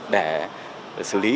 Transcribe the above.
để xử lý